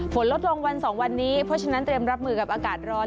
ฝนลดลงวันสองวันนี้เพราะฉะนั้นเตรียมรับมือกับอากาศร้อน